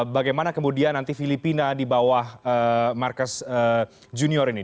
bagaimana kemudian nanti filipina di bawah markas junior ini